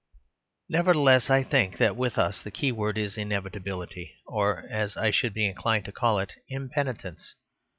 Nevertheless, I think that with us the keyword is "inevitability," or, as I should be inclined to call it, "impenitence."